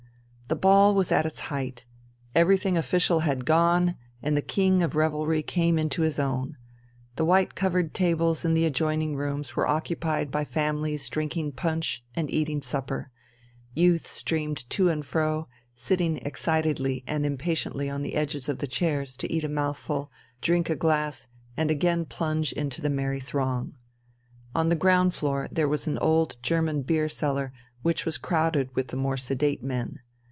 The ball was at its height. Everything official had gone, and the king of revelry came into his own. The white covered tables in the adjoining rooms were occupied by families drinking punch and eating supper. Youth streamed to and fro, sitting excitedly and impatiently on the edges of the chairs to eat a mouthful, drink a glass, and again plunge into the merry throng. On the ground floor there was an old German beer cellar, which was crowded with the more sedate men.